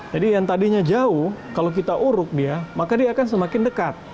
jadi yang tadinya jauh kalau kita uruk dia maka dia akan semakin dekat